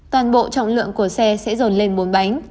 toàn bộ trọng lượng của xe sẽ dồn lên bốn bánh